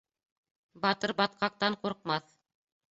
Батыр батҡаҡтан ҡурҡмаҫ.